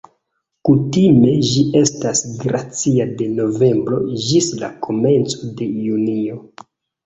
Kutime ĝi estas glacia de novembro ĝis la komenco de junio.